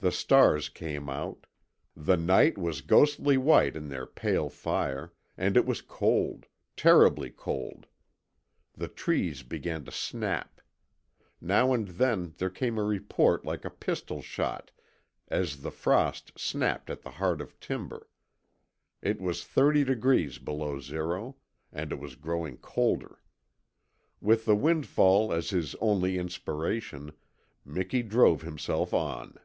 The stars came out; the night was ghostly white in their pale fire; and it was cold terribly cold. The trees began to snap. Now and then there came a report like a pistol shot as the frost snapped at the heart of timber. It was thirty degrees below zero. And it was growing colder. With the windfall as his only inspiration Miki drove himself on.